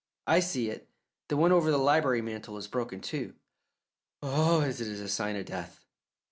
"I see it. The one over the library mantel is broken, too." "Oh, it is a sign of death!"